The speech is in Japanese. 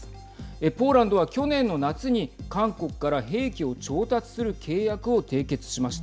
ポーランドは去年の夏に韓国から兵器を調達する契約を締結しました。